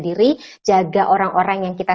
diri jaga orang orang yang kita